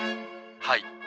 はい。